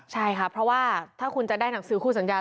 ใช่ค่ะเพราะว่าถ้าคุณจะได้หนังสือคู่สัญญา